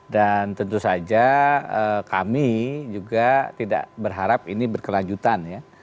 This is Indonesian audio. dan tentu saja kami juga tidak berharap ini berkelanjutan ya